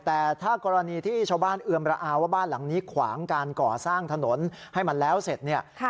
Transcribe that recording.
แต่ถ้ากรณีที่ชาวบ้านเอือมระอาว่าบ้านหลังนี้ขวางการก่อสร้างถนนให้มันแล้วเสร็จเนี่ย